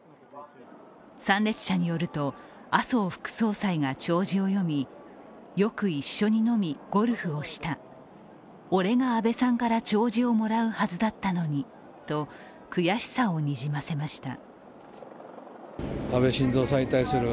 参列者によると、麻生副総裁が弔辞を読み、よく一緒に飲み、ゴルフをした、俺が安倍さんから弔辞をもらうはずだったのにと悔しさをにじませました。